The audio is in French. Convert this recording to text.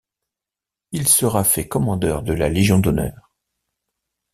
Il sera fait Commandeur de la Légion d'honneur.